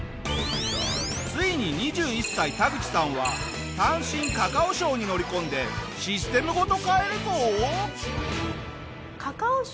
ついに２１歳タグチさんは単身カカオ省に乗り込んでシステムごと変えるぞ！